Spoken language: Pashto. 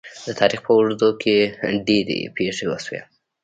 د تاریخ په اوږدو کې ډیرې پېښې وشوې.